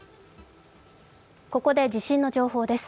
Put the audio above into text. ここで地震の情報です。